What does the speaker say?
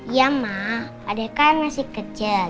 iya ma adek kan masih kecil